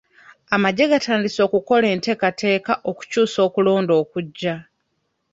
Amagye gatandise okukola enteekateeka okukyusa okulonda okujja.